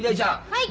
はい！